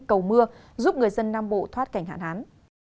cầu mưa giúp người dân nam bộ thoát cảnh hạn hán